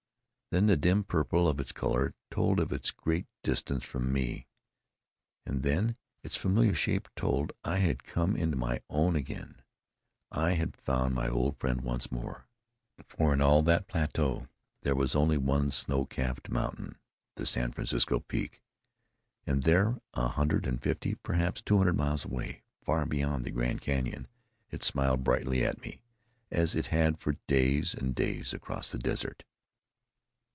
Then the dim purple of its color told of its great distance from me; and then its familiar shape told I had come into my own again I had found my old friend once more. For in all that plateau there was only one snow capped mountain the San Francisco Peak; and there, a hundred and fifty, perhaps two hundred miles away, far beyond the Grand Canyon, it smiled brightly at me, as it had for days and days across the desert.